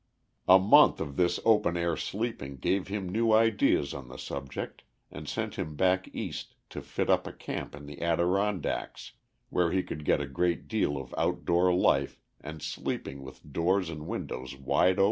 A month of this open air sleeping gave him new ideas on the subject, and sent him back east to fit up a camp in the Adirondacks, where he could get a great deal of outdoor life, and sleeping with doors and windows wide open.